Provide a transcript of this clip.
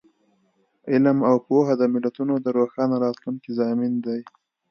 علم او پوهه د ملتونو د روښانه راتلونکي ضامن دی.